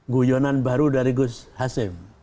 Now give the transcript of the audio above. guyonan baru dari gus hasim